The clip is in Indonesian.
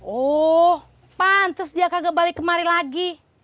oh pantes dia kagak balik kemari lagi